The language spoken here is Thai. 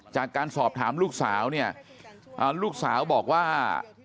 จากการสอบถามลูกสาวเนี่ยลูกสาวบอกว่า